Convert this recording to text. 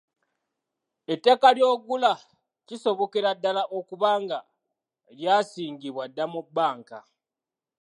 Ettaka ly'ogula kisobokera ddala okuba nga lyasingibwa dda mu bbanka.